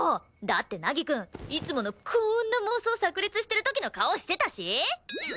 だって凪くんいつものこんな妄想炸裂してる時の顔してたし。